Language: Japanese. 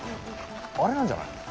あれなんじゃない？